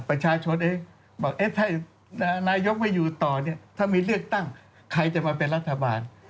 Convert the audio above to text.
ประชาชนเองบอกเอ๊ะถ้านายกไม่อยู่ต่อเนี่ยถ้ามีเลือกตั้งใครจะมาเป็นรัฐบาล